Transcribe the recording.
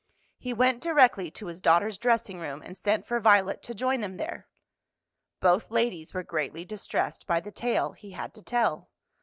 He went directly to his daughter's dressing room, and sent for Violet to join them there. Both ladies were greatly distressed by the tale he had to tell.